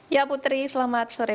ya putri selamat sore